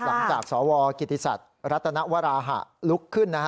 หลังจากสวกิติศัตริย์รัฐนวราหะลุกขึ้นนะฮะ